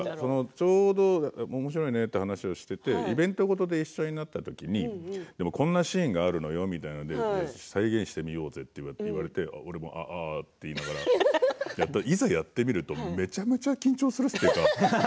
ちょうど、おもしろいねという話をしていてイベントで一緒になった時こんなシーンがあるのよみたいなところで再現してみようってとなってああと言いながらいざやってみるとめちゃめちゃ緊張するんですよね。